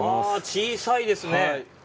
小さいですね。